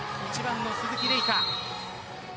１番の鈴木玲香。